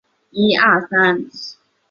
勒马达热奈。